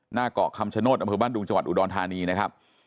หน้าเกาะคำชโนธอำเภอบ้านดุงจังหวัดอุดรธานีนะครับ